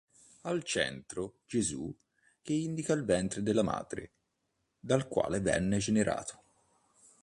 Al centro, Gesù che indica il ventre della madre, dal quale venne generato.